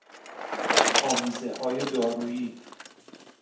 آمیزههای دارویی